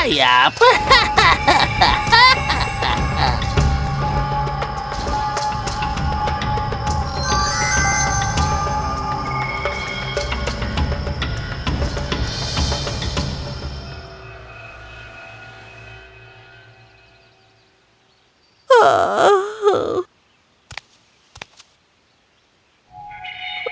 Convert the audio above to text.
kemudian kamu akan membau rambut